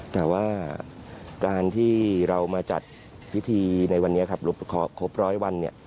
แต่ว่าการที่เรามาจัดพิธีในวันนี้ครับครบร้อยวันเนี่ย